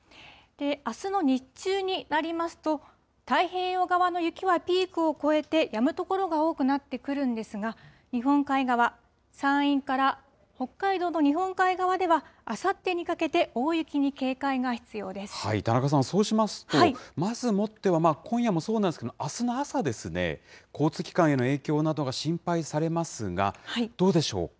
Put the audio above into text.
あすの日中になりますと、太平洋側の雪はピークを越えてやむ所が多くなってくるんですが、日本海側、山陰から北海道の日本海側ではあさってにかけて、田中さん、そうしますとまずもっては、今夜もそうですけど、あすの朝ですね、交通機関への影響などが心配されますが、どうでしょうか。